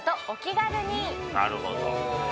なるほど。